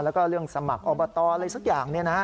แล้วก็เรื่องสมัครอบตอะไรสักอย่าง